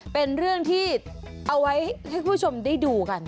เป็นเรื่องที่เอาไว้ให้คุณผู้ชมได้ดูกัน